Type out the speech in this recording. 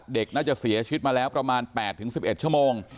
เด็กน่าจะเสียชีวิตมาแล้วประมาณ๘๑๑ชั่วโมง